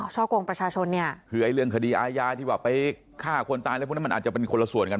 ช่อกงประชาชนเนี่ยคือไอ้เรื่องคดีอาญาที่ว่าไปฆ่าคนตายอะไรพวกนี้มันอาจจะเป็นคนละส่วนกัน